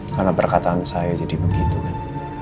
karena perkataan saya jadi begitu kan